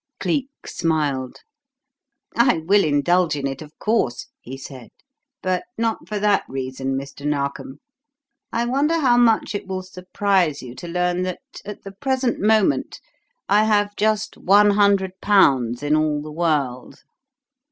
Cleek smiled. "I will indulge in it, of course," he said, "but not for that reason, Mr. Narkom. I wonder how much it will surprise you to learn that, at the present moment, I have just one hundred pounds in all the world?"